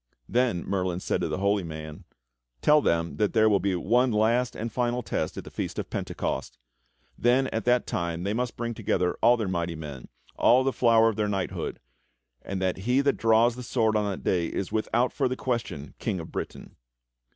Then Merlin said to the Holy Man: "Tell them that there will be one last and final test at the Feast of Pentecost. That at that time they must bring together all their mighty men, all the flower of their knighthood, and that he that draws the sword on that day is without further question King of Britain."